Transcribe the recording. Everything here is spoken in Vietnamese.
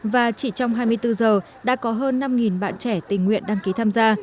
và chỉ trong hai mươi bốn giờ đã có hơn năm bạn trẻ tình nguyện đăng ký tham gia